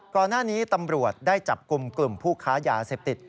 ก่อนหน้านี้ตำรวจได้จับกลุ่มกลุ่มผู้ค้ายาเสพติด